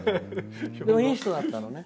でもいい人だったのね。